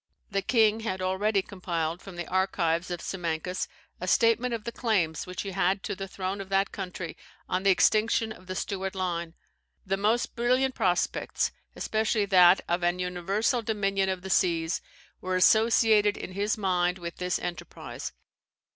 The king had already compiled, from the archives of Simancas, a statement of the claims which he had to the throne of that country on the extinction of the Stuart line; the most brilliant prospects, especially that of an universal dominion of the seas, were associated in his mind with this enterprise.